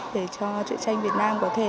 để cho chuyện tranh việt nam có thể